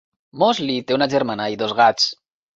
Mosley té una germana i dos gats.